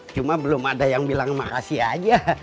cuma belum ada yang bilang makasih aja